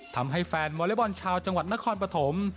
ทำให้แฟนวอเล็กบอลชาวจังหวัดนครปฐม